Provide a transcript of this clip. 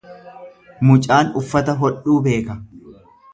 Mucaan uffata hodhuu beeka.